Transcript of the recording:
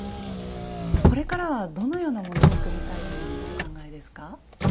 これからはどのようなものを作りたいというふうにお考えですか？